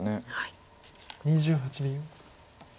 ２８秒。